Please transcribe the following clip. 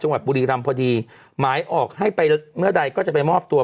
บุรีรำพอดีหมายออกให้ไปเมื่อใดก็จะไปมอบตัว